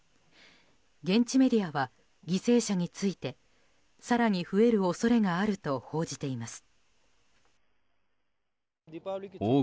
現地メディアは犠牲者について更に増える恐れがあると報じています。